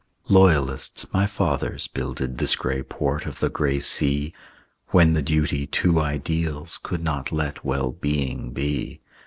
Loyalists, my fathers, builded This gray port of the gray sea, When the duty to ideals Could not let well being be.